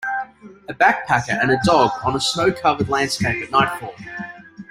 A backpacker and a dog on a snow covered landscape at nightfall.